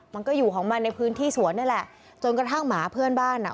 มันก็อยู่ของมันในพื้นที่สวนนี่แหละจนกระทั่งหมาเพื่อนบ้านอ่ะ